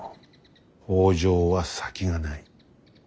北条は先がない。